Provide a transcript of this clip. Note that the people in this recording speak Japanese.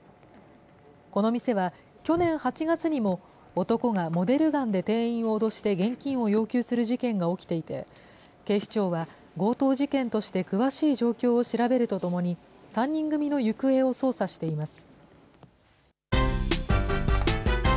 この店は、去年８月にも男がモデルガンで店員を脅して現金を要求する事件が起きていて、警視庁は強盗事件として詳しい状況を調べるとともに、３人組の行方を捜査しています。